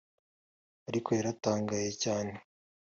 ariko yaratangaye cyane